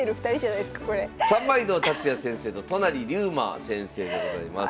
三枚堂達也先生と都成竜馬先生でございます。